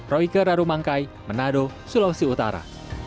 roike rarumangkai menado sulawesi utara